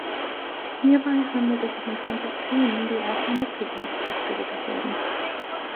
Hierbei handelt es sich um Transaktionen, die erst in der Zukunft abgewickelt werden.